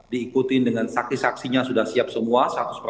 diikuti dengan saksi saksinya sudah siap semua